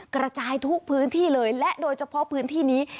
กระจายทุกพื้นที่เลยและโดยเฉพาะพื้นที่นี้